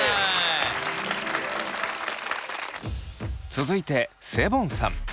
続いてセボンさん。